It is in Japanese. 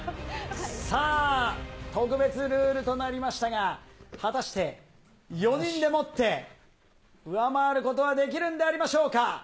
さあ、特別ルールとなりましたが、果たして４人でもって、上回ることはできるんでありましょうか。